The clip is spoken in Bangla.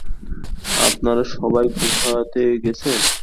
আপনারা সবাই গুহাতে গেছেন।